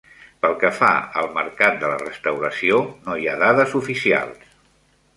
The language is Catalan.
Pel que fa al mercat de la restauració, no hi ha dades oficials.